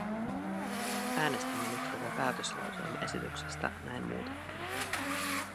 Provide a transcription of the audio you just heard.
Äänestämme nyt koko päätöslauselmaesityksestä näin muutettuna.